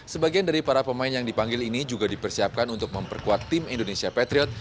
sebagian dari para pemain yang dipanggil ini juga dipersiapkan untuk memperkuat tim indonesia patriot